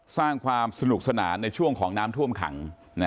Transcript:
สร้างความสนุกสนานในช่วงของน้ำท่วมขัง